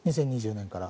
２０２０年から。